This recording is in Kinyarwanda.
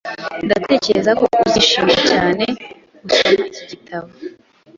Ndatekereza ko uzishimira cyane gusoma iki gitabo.